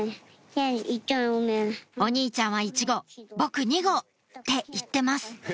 「お兄ちゃんは１号僕２号！」って言ってます